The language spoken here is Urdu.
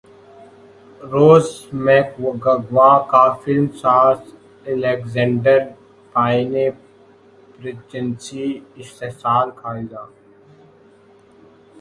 روز میکگواں کا فلم ساز الیگزینڈر پائنے پرجنسی استحصال کا الزام